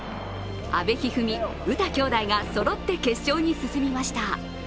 阿部一二三・詩きょうだいがそろって決勝に進みました。